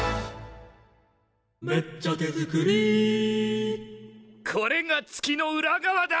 「めっちゃ手作り」これが月の裏側だ！